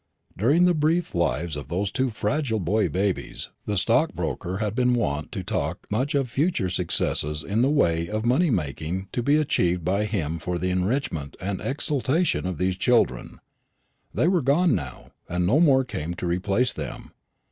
During the brief lives of those two fragile boy babies the stockbroker had been wont to talk much of future successes in the way of money making to be achieved by him for the enrichment and exaltation of these children. They were gone now, and no more came to replace them.